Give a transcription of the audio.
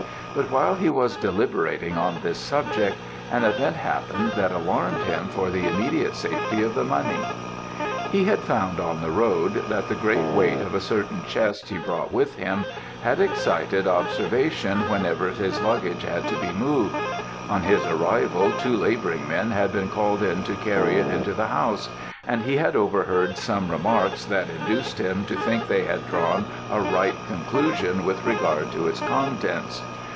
But while he was deliberating on this subject, an event happened that alarmed him for the immediate safety of the money. "He had found on the road, that the great weight of a certain chest he brought with him, had excited observation whenever his luggage had to be moved; on his arrival two labouring men had been called in to carry it into the house, and he had overheard some remarks that induced him to think they had drawn a right conclusion with regard to its contents.